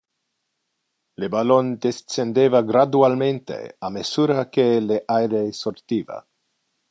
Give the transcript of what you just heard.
Le ballon descendeva gradualmente a mesura que le aere sortiva.